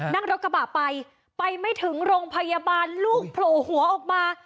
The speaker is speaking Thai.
นั่งรถกระบะไปไปไม่ถึงโรงพยาบาลลูกโผล่หัวออกมา